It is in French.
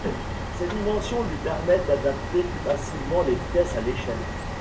Ces dimensions lui permettent d'adapter plus facilement les pièces à l'échelle.